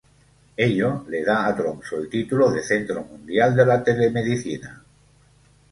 Ello le da a Tromsø el título de Centro Mundial de la Telemedicina.